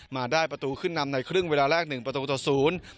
มาได้ประตูขึ้นนำในครึ่งเวลาแรกหนึ่งประตูต่อศูนย์